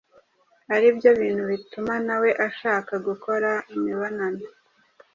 aribyo bintu bituma nawe ashaka gukora imibonano